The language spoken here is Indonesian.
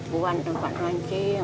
buat tempat mancing